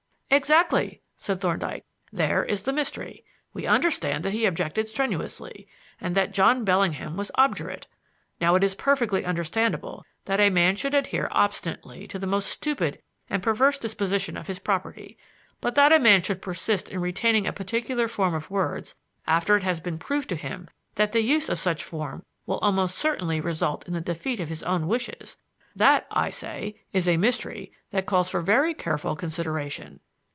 "Exactly," said Thorndyke. "There is the mystery. We understand that he objected strenuously, and that John Bellingham was obdurate. Now it is perfectly understandable that a man should adhere obstinately to the most stupid and perverse disposition of his property; but that a man should persist in retaining a particular form of words after it has been proved to him that the use of such form will almost certainly result in the defeat of his own wishes; that, I say, is a mystery that calls for very careful consideration."